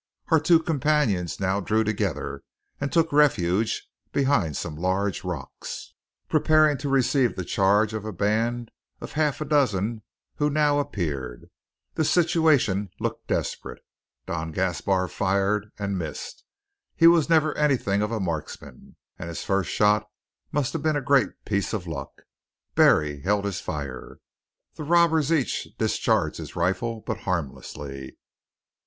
Our two companions now drew together, and took refuge behind some large rocks, preparing to receive the charge of a band of half dozen who now appeared. The situation looked desperate. Don Gaspar fired and missed. He was never anything of a marksman, and his first shot must have been a great piece of luck. Barry held his fire. The robbers each discharged his rifle, but harmlessly.